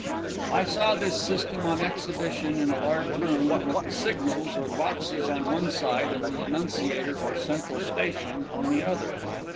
I saw this system on exhibition in a large room, with the signals or boxes on one side and the annunciator or central station on the other.